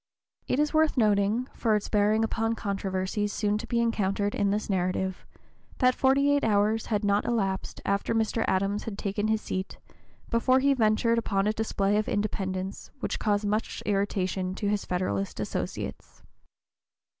It is worth noting, for its bearing upon controversies soon to be encountered in this narrative, that forty eight hours had not elapsed after Mr. Adams had taken his seat before he ventured upon a display of independence which caused much irritation to his Federalist associates.